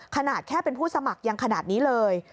ขนาดแค่เป็นผู้สมัครยังขนาดนี้เลย